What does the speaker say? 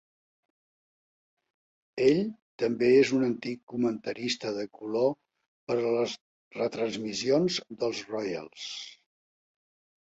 Ell també és un antic comentarista de color per a les retransmissions dels Royals.